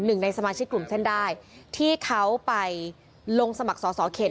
หนึ่งในสมาชิกกลุ่มเส้นได้ที่เขาไปลงสมัครสอสอเขต